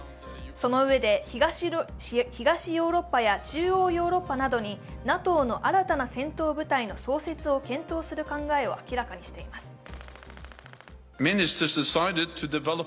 そのうえで東ヨーロッパや中央ヨーロッパなどにＮＡＴＯの新たな戦闘部隊の創設を検討する考えを明らかにしています。